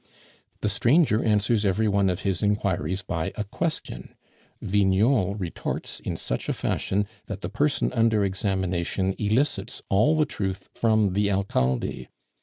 The stranger answers every one of his inquiries by a question; Vignol retorts in such a fashion, that the person under examination elicits all the truth from the Alcalde.